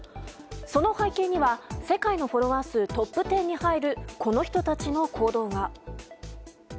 その背景には世界のフォロワー数トップ１０に入るこの人たちの行動が。